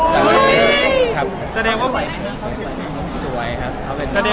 มีมีมีมีมีมีมีมีมีมีมีมีมีมีมีมีมีมีมีมีมี